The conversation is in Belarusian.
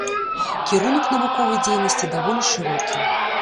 Кірунак навуковай дзейнасці даволі шырокі.